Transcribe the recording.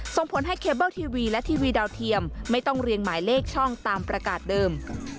ส่งผลให้เคเบิ้ลทีวีและทีวีดาวเทียมไม่ต้องเรียงหมายเลขช่องตามประกาศเดิม